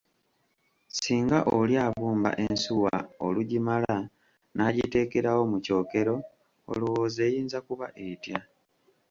"Singa oli abumba ensuwa olugimala n’agiteekerawo mu kyokero, olowooza eyinza kuba etya?"